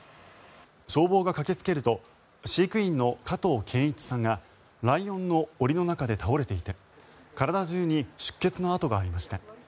消防が駆けつけると飼育員の加藤健一さんがライオンの檻の中で倒れていて体中に出血の跡がありました。